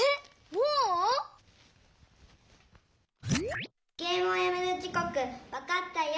もう⁉「ゲームをやめる時こくわかったよ！